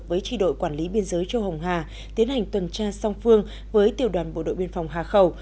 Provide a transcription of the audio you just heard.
với chi đội quản lý biên giới châu hồng hà tiến hành tuần tra song phương với tiểu đoàn bộ đội biên phòng hà khẩu